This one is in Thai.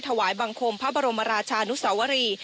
ถวายบังคมพระบรมราชานุสวรี